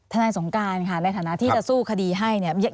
นายสงการค่ะในฐานะที่จะสู้คดีให้เนี่ย